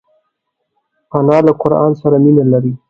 انا له قران سره مینه لري